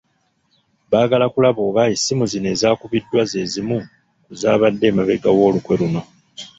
Baagala kulaba oba essimu zino ezaakubiddwa ze zimu ku zaabadde emabega w’olukwe luno.